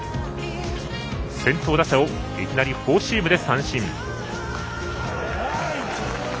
先頭打者をいきなりフォーシームで三振。